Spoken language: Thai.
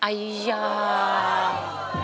อัยยาว